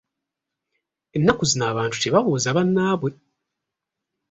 Ennaku zino abantu tebabuuza bannaabwe!